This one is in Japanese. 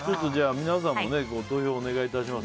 皆さんもご投票お願いします。